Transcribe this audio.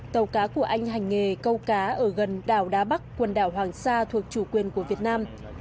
tàu cá của anh hành nghề câu cá ở gần đảo đá bắc quần đảo hoàng sa thuộc chủ quyền của việt nam